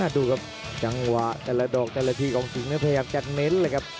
ดูครับจังหวะแต่ละดอกแต่ละทีของสิงห์พยายามจะเน้นเลยครับ